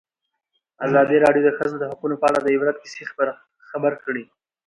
ازادي راډیو د د ښځو حقونه په اړه د عبرت کیسې خبر کړي.